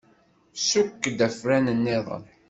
Sukk-d afran-nniḍen.